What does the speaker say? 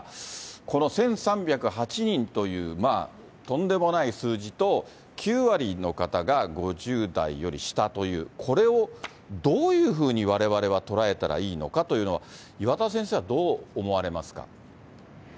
この１３０８人というとんでもない数字と、９割の方が５０代より下という、これをどういうふうにわれわれは捉えたらいいのかというのは、岩田先生はどう思われますか？